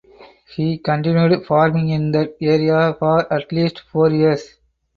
He continued farming in that area for at least four years.